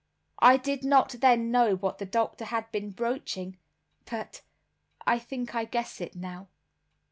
I did not then know what the doctor had been broaching, but I think I guess it now.